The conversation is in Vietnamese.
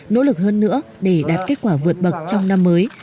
nỗ lực hơn nữa để đạt kết quả vượt bậc trong năm mới